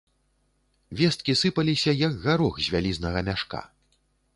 Весткі сыпаліся, як гарох з вялізнага мяшка.